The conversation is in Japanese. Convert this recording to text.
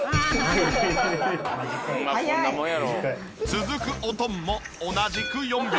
続くおとんも同じく４秒。